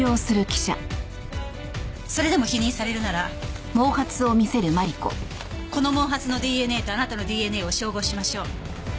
それでも否認されるならこの毛髪のＤＮＡとあなたのＤＮＡを照合しましょう。